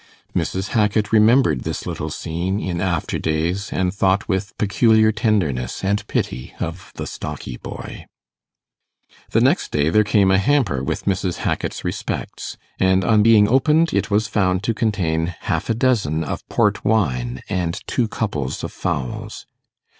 Mrs. Hackit remembered this little scene in after days, and thought with peculiar tenderness and pity of the 'stocky boy'. The next day there came a hamper with Mrs. Hackit's respects; and on being opened it was found to contain half a dozen of port wine and two couples of fowls.